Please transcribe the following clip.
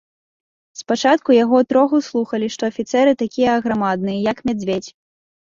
Спачатку яго троху слухалі, што афіцэр і такі аграмадны, як мядзведзь.